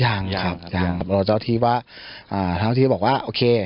อย่างแหงคืออาทิวะอ่าท้าทัวททิวะบอกว่าโอเค